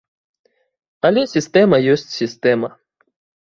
Але сістэма ёсць сістэма.